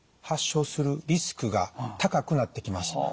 発症するリスクが高くなってきます。